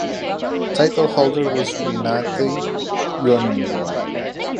Title holder was Renate Groenewold.